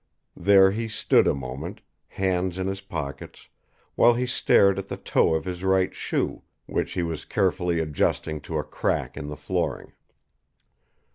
There he stood a moment, hands in his pockets, while he stared at the toe of his right shoe, which he was carefully adjusting to a crack in the flooring.